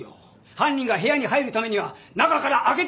犯人が部屋に入るためには中から開けてもらうしかない。